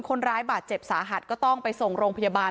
คนร้ายบาดเจ็บสาหัสก็ต้องไปส่งโรงพยาบาล